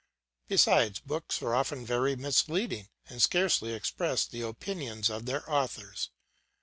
Besides books are often very misleading, and scarcely express the opinions of their authors.